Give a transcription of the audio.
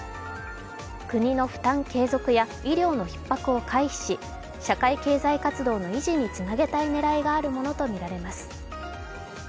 国の負担継続や医療のひっ迫を回避し、社会経済活動の維持につなげたい狙いがあるものとみられます。